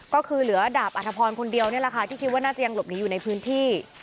ก็คือเหลือดาบอัธพรคนเดียวนี่แหละค่ะที่คิดว่าน่าจะยังหลบหนีอยู่ในพื้นที่